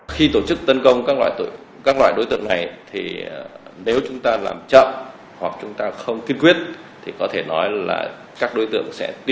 khi tổ chức tấn công các loại đối tượng này thì nếu chúng ta làm chậm hoặc chúng ta không kiên quyết thì có thể nói là các đối tượng sẽ bị phá hủy